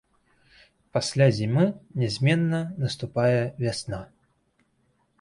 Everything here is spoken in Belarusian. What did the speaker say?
Пасля зімы нязменна наступае вясна.